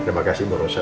terima kasih borosan